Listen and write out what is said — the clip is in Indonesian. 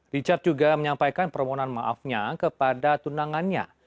richard juga menyampaikan permohonan maafnya kepada tunangannya